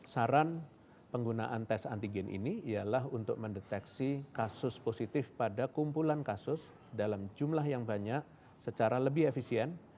saran penggunaan tes antigen ini ialah untuk mendeteksi kasus positif pada kumpulan kasus dalam jumlah yang banyak secara lebih efisien